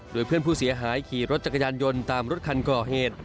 โดยเพื่อนผู้เสียหายขี่รถจักรยานยนต์ตามรถคันก่อเหตุ